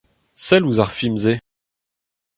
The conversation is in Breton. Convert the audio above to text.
Sell ouzh ar film-se !